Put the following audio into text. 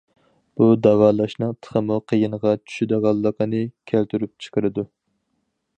بۇ داۋالاشنىڭ تېخىمۇ قىيىنغا چۈشىدىغانلىقىنى كەلتۈرۈپ چىقىرىدۇ.